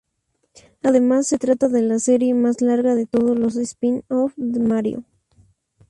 Además se trata de la serie más larga de todos los spin-off de Mario.